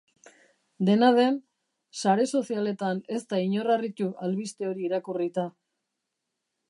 Dena den, sare sozialetan ez da inor harritu albiste hori irakurrita.